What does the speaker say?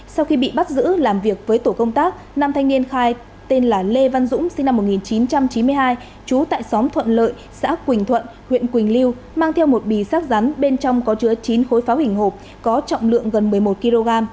sau khi bị bắt giữ làm việc với tổ công tác nam thanh niên khai tên là lê văn dũng sinh năm một nghìn chín trăm chín mươi hai trú tại xóm thuận lợi xã quỳnh thuận huyện quỳnh lưu mang theo một bì sát rắn bên trong có chứa chín khối pháo hình hộp có trọng lượng gần một mươi một kg